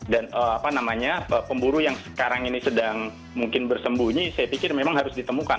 dan pemburu yang sekarang ini sedang mungkin bersembunyi saya pikir memang harus ditemukan